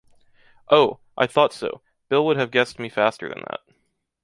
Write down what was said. Oh! I thought so, Bill would have guessed me faster than that.